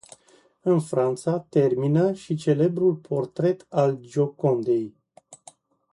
În Franța termină și celebrul portret al Giocondei.